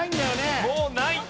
もうない！